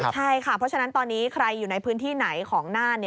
ใช่ค่ะเพราะฉะนั้นตอนนี้ใครอยู่ในพื้นที่ไหนของน่าน